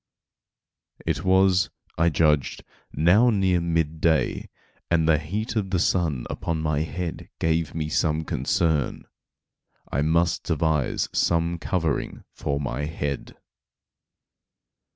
It was, I judged, now near mid day, and the heat of the sun upon my head gave me some concern. I must devise some covering for my head.